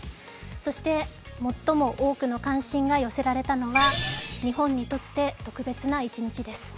そして最も多くの関心が寄せられたのが日本にとって特別な一日です。